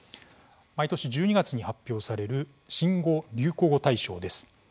毎年１２月に発表される新語・流行語大賞です。